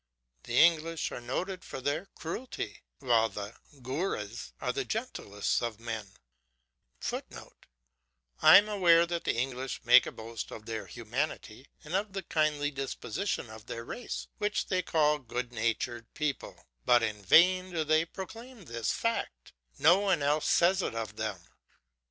The English are noted for their cruelty [Footnote: I am aware that the English make a boast of their humanity and of the kindly disposition of their race, which they call "good natured people;" but in vain do they proclaim this fact; no one else says it of them.